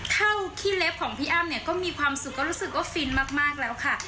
ขี้เล็บของพี่อ้ำเนี่ยก็มีความสุขก็รู้สึกว่าฟินมากแล้วค่ะ